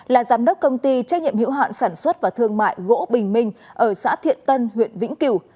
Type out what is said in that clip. là giám đốc công ty trách nhiệm hiệu hạn sản xuất và thương mại gỗ bình minh ở xã thiện tân huyện vĩnh cửu